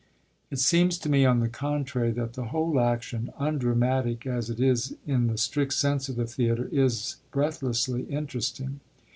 It seems to me, on the contrary, that the whole action, undramatic as it is in the strict sense of the theatre, is breathlessly interesting.